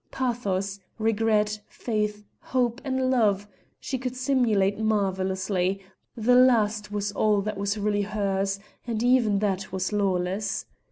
Pathos, regret, faith, hope, and love, she could simulate marvellously: the last was all that was really hers, and even that was lawless.